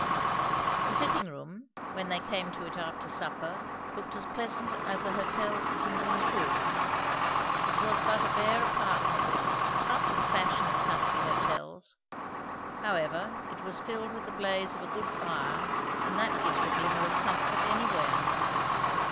The sitting room, when they came to it after supper, looked as pleasant as a hotel sitting room could. It was but a bare apartment, after the fashion of country hotels; however it was filled with the blaze of a good fire, and that gives a glimmer of comfort anywhere.